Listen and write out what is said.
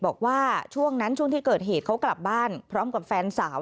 บอกว่าช่วงนั้นช่วงที่เกิดเหตุเขากลับบ้านพร้อมกับแฟนสาว